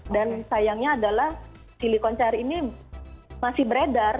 dan sayangnya adalah silikon cair ini masih beredar